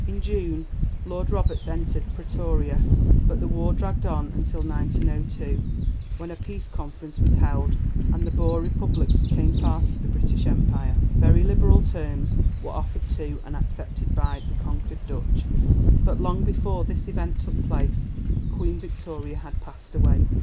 In June Lord Roberts entered Pretoria, but the war dragged on until 1902, when a Peace Conference was held and the Boer Republics became part of the British Empire. Very liberal terms were offered to and accepted by the conquered Dutch. But long before this event took place Queen Victoria had passed away.